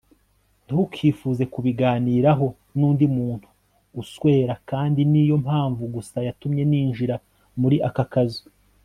ntukifuze kubiganiraho nundi muntu uswera kandi niyo mpamvu gusa yatumye ninjira muri aka kazu